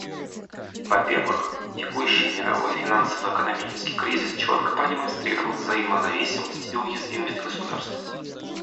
Во-первых, текущий мировой финансово-экономический кризис четко продемонстрировал взаимозависимость и уязвимость государств.